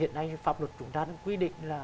hiện nay pháp luật chúng ta đang quy định là